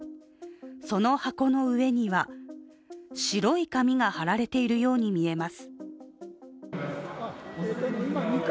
その箱の上には白い紙が貼られているように見えます。